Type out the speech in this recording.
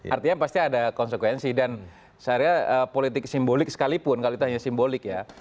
artinya pasti ada konsekuensi dan seharusnya politik simbolik sekalipun kalau itu hanya simbolik ya